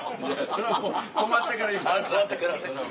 それはもう止まってから言うたから。